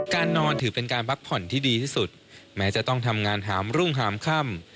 การนอนถือเป็นการพักผ่อนที่ดีที่สุดแม้จะต้องทำงานหามรุ่งหามค่ำ